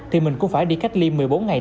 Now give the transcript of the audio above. thì mình cũng phải đi cách ly một mươi bốn ngày